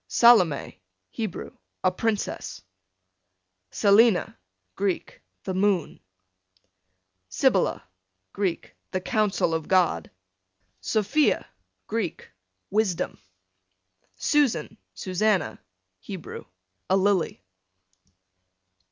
Salome, Hebrew, a princess. Selina, Greek, the moon. Sibylla, Greek, the counsel of God. Sophia, Greek, wisdom. Susan, Susanna, Hebrew, a lily.